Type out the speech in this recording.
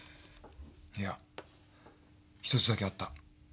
いや１つだけあった。